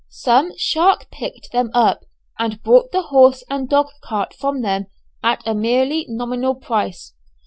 Some shark picked them up, and bought the horse and dog cart from them at a merely nominal price.